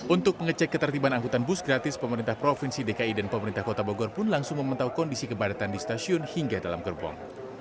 untuk mengecek ketertiban angkutan bus gratis pemerintah provinsi dki dan pemerintah kota bogor pun langsung memantau kondisi kepadatan di stasiun hingga dalam gerbong